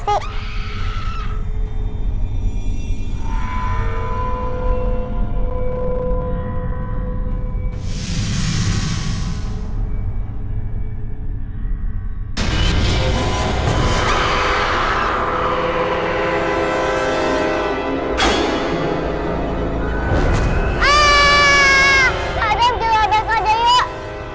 kadang juga ada kode yuk